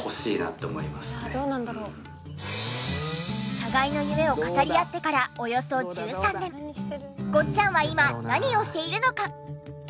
互いの夢を語り合ってからおよそ１３年ごっちゃんは今何をしているのか？